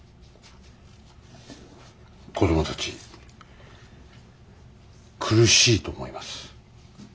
子供たち苦しいと思います。